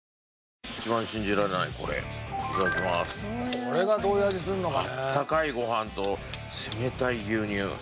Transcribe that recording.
これがどういう味すんのかね？